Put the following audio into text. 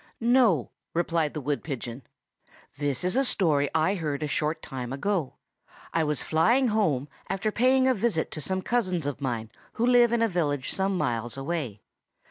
"No," replied the wood pigeon. "This is a story I heard a short time ago. I was flying home, after paying a visit to some cousins of mine who live in a village some miles away.